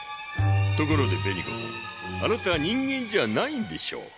ところで紅子さん。あなた人間じゃないんでしょう。